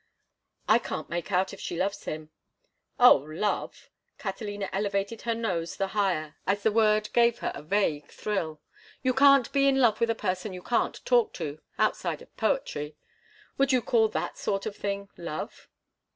"I can't make out if she loves him." "Oh, love!" Catalina elevated her nose the higher as the word gave her a vague thrill. "You can't be in love with a person you can't talk to—outside of poetry. Would you call that sort of thing love?"